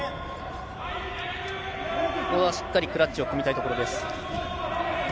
ここはしっかりクラッチを組みたいところです。